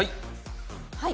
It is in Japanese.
はい！